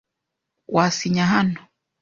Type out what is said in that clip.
Wasinya hano?